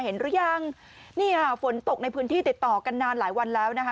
หรือยังนี่ค่ะฝนตกในพื้นที่ติดต่อกันนานหลายวันแล้วนะคะ